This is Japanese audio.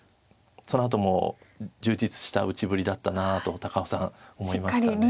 そのあとも充実した打ちぶりだったなと高尾さん思いました。